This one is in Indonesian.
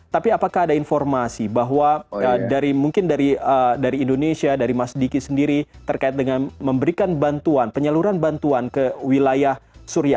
tapi apakah ada informasi bahwa mungkin dari indonesia dari mas diki sendiri terkait dengan memberikan bantuan penyaluran bantuan ke wilayah suria